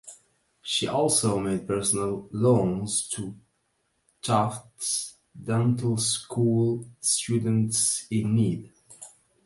She also made personal loans to Tufts dental school students in need.